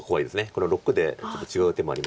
この⑥でちょっと違う手もありますし。